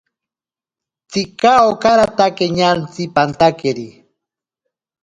Tsika okaratake ñantsi pantakeri.